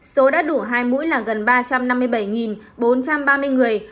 số đã đủ hai mũi là gần ba trăm năm mươi bảy bốn trăm ba mươi người